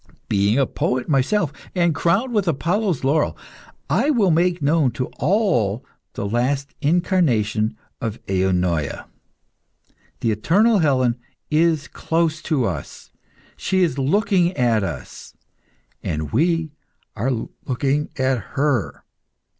Being a poet myself, and crowned with Apollo's laurel, I will make known to all the last incarnation of Eunoia. The eternal Helen is close to us; she is looking at us, and we are looking at her.